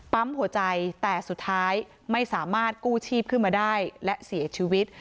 หัวใจแต่สุดท้ายไม่สามารถกู้ชีพขึ้นมาได้และเสียชีวิต